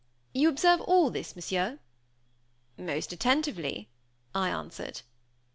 You observe all this, Monsieur?" "Most attentively," I answered.